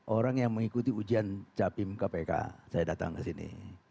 orang yang mengikuti ujian capim kpk saya datang ke sini